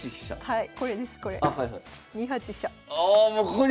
はい。